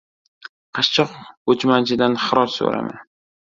• Qashshoq ko‘chmanchidan xiroj so‘rama.